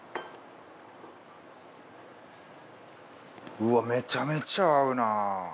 うわめちゃめちゃ合うな。